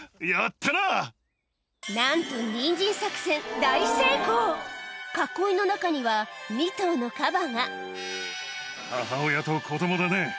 なんとニンジン作戦囲いの中には２頭のカバが母親と子供だね。